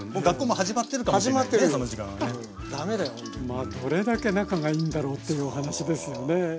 まあどれだけ仲がいいんだろうっていうお話ですよね。